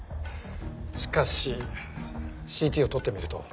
しかしＣＴを撮ってみると。